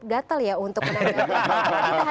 gatel ya untuk menangani